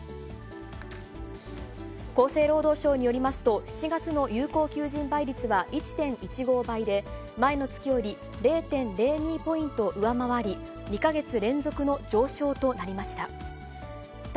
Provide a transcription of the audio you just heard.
厚生労働省によりますと、７月の有効求人倍率は１．１５倍で、前の月より０．０２ポイント上回り、２か月連続の上昇となりました。